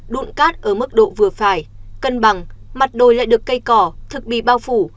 đụng cát ở mức độ vừa phải cân bằng mặt đồi lại được cây cỏ thực bì bao phủ